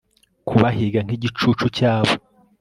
Kubahiga nkigicucu cyabo